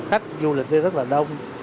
khách du lịch đi rất là đông